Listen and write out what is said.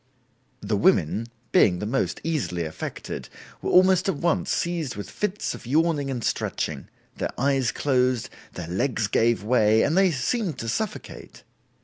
The women, being the most easily affected, were almost at once seized with fits of yawning and stretching; their eyes closed, their legs gave way and they seemed to suffocate.